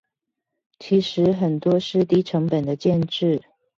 其實很多是低成本的建置